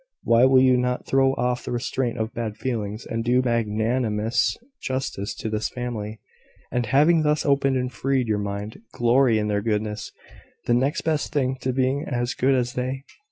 Why will you not throw off the restraint of bad feelings, and do magnanimous justice to this family, and, having thus opened and freed your mind, glory in their goodness the next best thing to being as good as they?